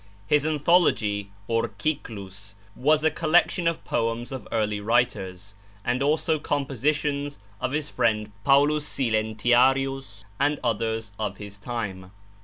His 'Anthology,' or 'Cyclus,' was a collection of poems of early writers, and also compositions of his friend Paulus Silentiarius and others of his time.